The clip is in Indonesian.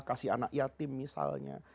kasih anak yatim misalnya